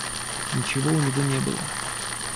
Ничего у него не было.